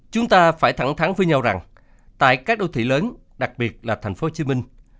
chúng ta phải thẳng thắng với nhau rằng tại các đô thị lớn đặc biệt là thành phố hồ chí minh